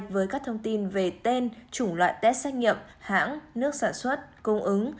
với các thông tin về tên chủng loại test xét nghiệm hãng nước sản xuất cung ứng